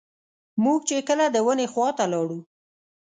موږ چې کله د ونې خواته لاړو.